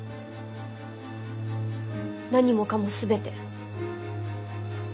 何もかも全て。